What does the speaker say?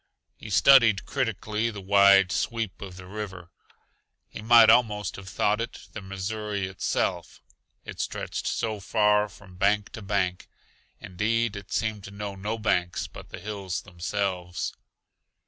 He studied critically the wide sweep of the river. He might almost have thought it the Missouri itself, it stretched so far from bank to bank; indeed, it seemed to know no banks but the hills themselves.